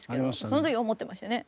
その時思ってましたね。